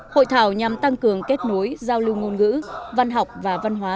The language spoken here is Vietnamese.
hội thảo nhằm tăng cường kết nối giao lưu ngôn ngữ văn học và văn hóa